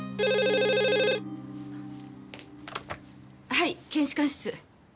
はい検視官室。